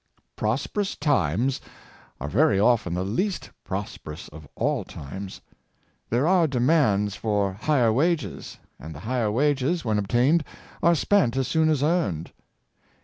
" Prosperous times " are very often the least prosper ous of all times. There are demands for higher wages; and the higher wages, when obtained, are spent as soon as earned.